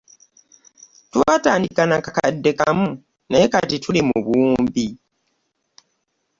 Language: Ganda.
Twatandika na kakadde kamu naye kati tuli mu buwumbi.